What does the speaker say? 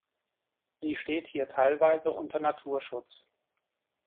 Sie steht hier teilweise unter Naturschutz.